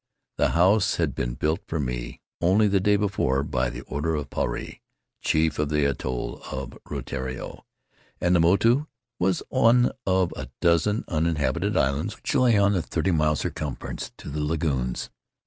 The house had been built for me only the day before by the order of Puarei, chief of the atoll of Rutiaro; and the motu was one of a dozen uninhabited islands which lay on the thirty mile circumference to the lagoons.